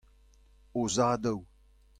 o zadoù.